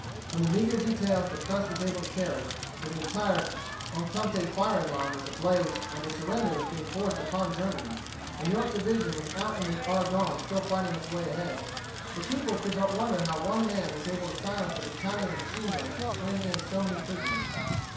From the meager details the press was able to carry, for the entire Entente firing line was ablaze and a surrender was being forced upon Germany, and York's division was out in the Argonne still fighting its way ahead, the people could but wonder how one man was able to silence a battalion of machine guns and bring in so many prisoners.